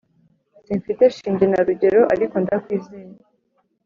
Simfite shinge na rugero ariko ndakwizeye